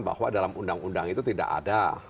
bahwa dalam undang undang itu tidak ada